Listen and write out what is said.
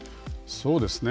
そうですね。